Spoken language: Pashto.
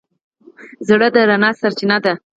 زړه د رڼا سرچینه ده.